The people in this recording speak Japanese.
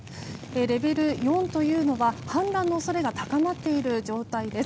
レベル４というのは氾濫の恐れが高まっている状態です。